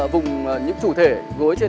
vùng những chủ thể gối trên